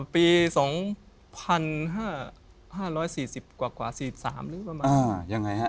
ปี๒๕๔๐กว่า๔๓ประมาณ